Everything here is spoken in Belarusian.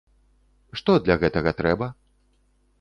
Што для гэтага трэба?